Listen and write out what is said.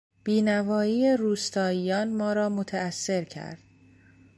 بینوایی روستائیان ما را متاثر کرد.